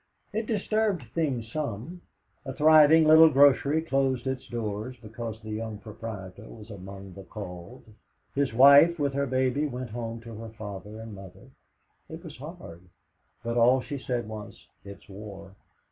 It disturbed things some. A thriving little grocery closed its doors because the young proprietor was among the called. His wife with her baby went home to her father and mother. It was hard; but all she said was, "It's war."